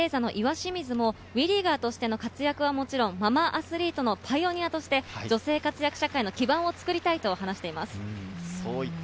ベレーザの岩清水もＷＥリーガーとしての活躍はもちろん、ママアスリートのパイオニアとして、女性活躍社会の基盤を作りたいと話しています。